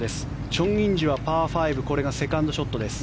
チョン・インジはパー５これがセカンドショットです。